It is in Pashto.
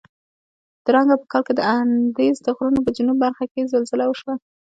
درانګه په کال کې د اندیز د غرونو په جنوب برخه کې زلزله وشوه.